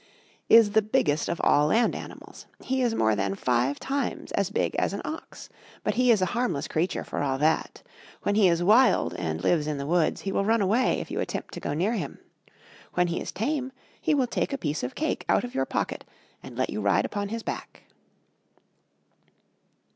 Is the biggest of all land animals. He is more than five times as big as an ox. But he is a harmless creature, for all that. When he is wild, and lives in the woods, he will run away, if you attempt to go near him. When he is tame, he will take a piece of cake out of your pocket, and let you ride upon his back.